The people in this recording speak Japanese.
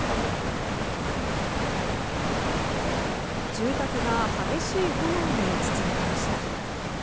住宅が激しい炎に包まれました。